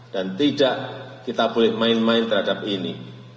dan tidak kita boleh main main terhadap ini